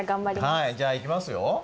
はいじゃあいきますよ。